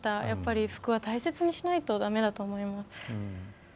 やっぱり服は大切にしないとだめだと思います。